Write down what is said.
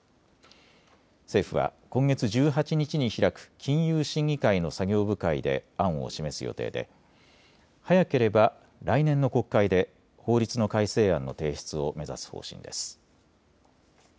政府は今月１８日に開く金融審議会の作業部会で案を示す予定で早ければ来年の国会で法律の改正案の提出を目指す方針です。